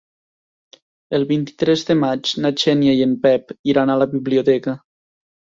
El vint-i-tres de maig na Xènia i en Pep iran a la biblioteca.